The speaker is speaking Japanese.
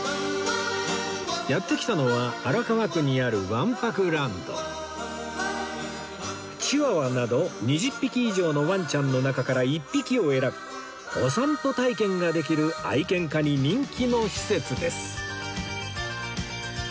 やって来たのは荒川区にあるチワワなど２０匹以上のワンちゃんの中から１匹を選びお散歩体験ができる愛犬家に人気の施設です